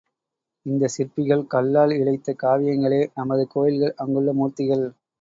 இந்தச் சிற்பிகள் கல்லால் இழைத்த காவியங்களே நமது கோயில்கள், அங்குள்ள மூர்த்திகள்.